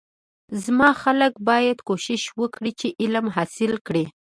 زما خلک باید کوشش وکړی چی علم حاصل کړی